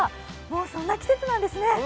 もう、そんな季節なんですね。